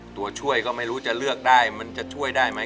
ตัวช่วยก็ไม่รู้จะเลือกได้มันจะช่วยได้ไหม